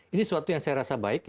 ini suatu yang saya rasa baik